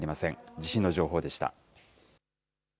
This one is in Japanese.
地震の情報でした。